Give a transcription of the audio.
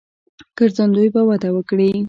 ګرځندوی به وده وکړي.